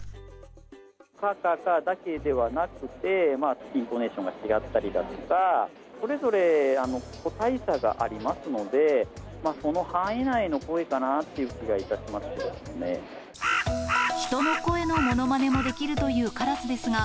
かーかーかーだけではなくて、イントネーションが違ったりだとか、それぞれ個体差がありますので、その範囲内の声かなという気がいたしますけど。